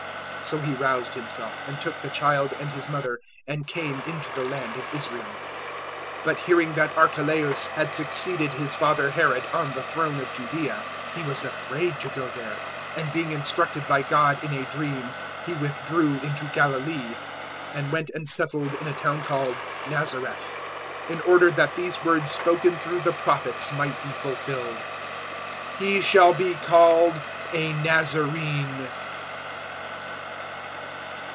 002:021 So he roused himself and took the child and His mother and came into the land of Israel. 002:022 But hearing that Archelaus had succeeded his father Herod on the throne of Judaea, he was afraid to go there; and being instructed by God in a dream he withdrew into Galilee, 002:023 and went and settled in a town called Nazareth, in order that these words spoken through the Prophets might be fulfilled, "He shall be called a Nazarene."